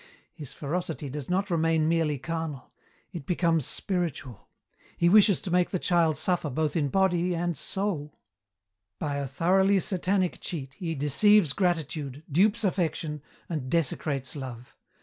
His ferocity does not remain merely carnal; it becomes spiritual. He wishes to make the child suffer both in body and soul. By a thoroughly Satanic cheat he deceives gratitude, dupes affection, and desecrates love.